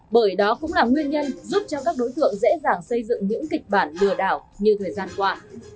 bởi đó cũng là nguyên nhân giúp cho các đối tượng dễ dàng xây dựng những kịch bản lừa đảo như thời gian qua